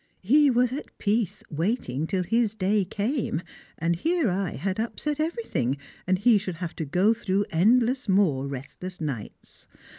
He was at peace waiting till his day came, and here I had upset everything, and he should have to go through endless more restless nights!